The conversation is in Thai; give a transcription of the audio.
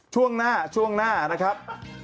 ช่วงหน้านะครับ